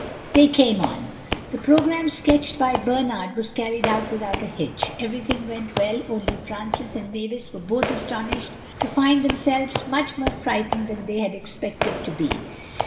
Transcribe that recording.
They came on. The program sketched by Bernard was carried out without a hitch. Everything went well, only Francis and Mavis were both astonished to find themselves much more frightened than they had expected to be.